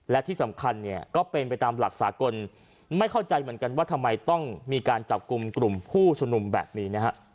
และที่สำคัญเนี่ยก็เป็นไปตามหลักสากลไม่เข้าใจเหมือนกันว่าทำไมต้องมีการจับกลุ่มกลุ่มผู้ชุมนุมแบบนี้นะฮะ